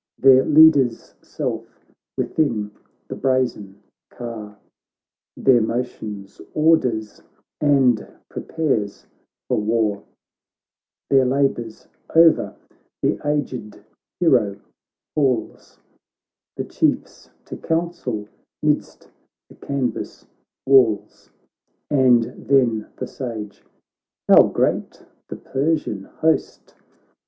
Their leader's self within the brazen car Their motions orders, and prepares for war ; Their labours o'er, the agfed hero calls The Chiefs to council midst the canvas walls. And then the Sage :' How great ihjE Persian host